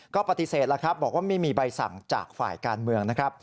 ก็ปฏิเสธแล้วครับบอกว่าไม่มีใบสั่งจากฝ่ายการเมืองนะครับ